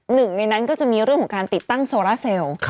หนึ่งในนั้นก็จะมีเรื่องของการติดตั้งโซราเซลล์